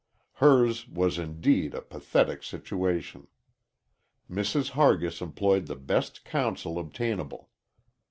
Hers was indeed a pathetic situation. Mrs. Hargis employed the best counsel obtainable.